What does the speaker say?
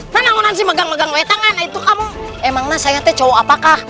neng neng neng si megang megang lewetan kan itu kamu emang saya teh cowok apakah